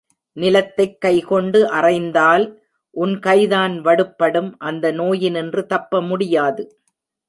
நிலத்தைக் கைகொண்டு அறைந்தால் உன் கைதான் வடுப்படும் அந்த நோயினின்று தப்ப முடியாது.